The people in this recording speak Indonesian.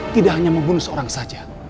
tidak hanya membunuh seorang saja